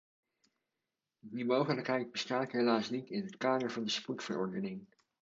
Die mogelijkheid bestaat helaas niet in het kader van de spoedverordening.